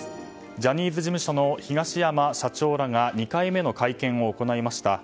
ジャニーズ事務所の東山社長らが２回目の会見を行いました。